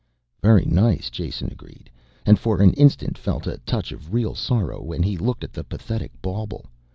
"Very nice," Jason agreed, and for an instant felt a touch of real sorrow when he looked at the pathetic bauble.